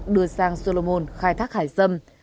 đưa sang solomon khai thác hải sâm